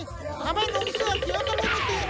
ทำให้หนุ่มเสื้อเขียวทะลุพิธี